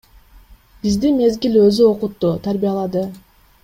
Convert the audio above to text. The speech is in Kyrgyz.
Бизди мезгил өзү окутту, тарбиялады.